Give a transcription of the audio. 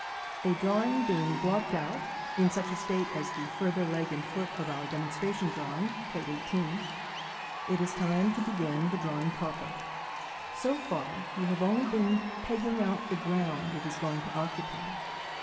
] A drawing being blocked out in such a state as the further leg and foot of our demonstration drawing (page 90 [Transcribers Note: Plate XVIII]), it is time to begin the drawing proper. So far you have only been pegging out the ground it is going to occupy.